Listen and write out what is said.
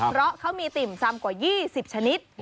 เพราะเขามีติ่มซำกว่า๒๐ชนิด